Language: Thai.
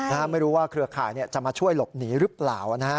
ไม่รู้ว่าเครือข่ายจะมาช่วยหลบหนีหรือเปล่านะฮะ